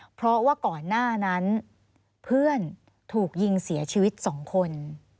เพราะว่าก่อนหน้านั้นเพื่อนถูกยิงเสียชีวิต๒คน